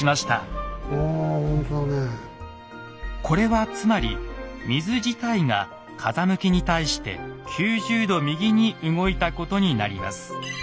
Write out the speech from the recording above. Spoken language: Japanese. これはつまり水自体が風向きに対して９０度右に動いたことになります。